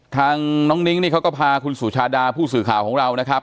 ทางน้องนิ้งนี่เขาก็พาคุณสุชาดาผู้สื่อข่าวของเรานะครับ